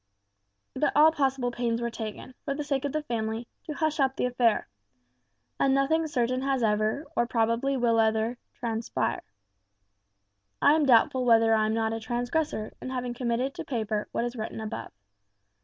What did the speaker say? But all possible pains were taken, for the sake of the family, to hush up the affair; and nothing certain has ever, or probably will ever, transpire. I am doubtful whether I am not a transgressor in having committed to paper what is written above.